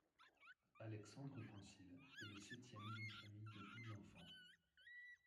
Alexandre Consil est le septième d’une famille de douze enfants.